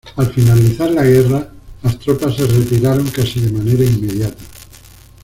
Al finalizar la guerra, las tropas se retiraron casi de manera inmediata.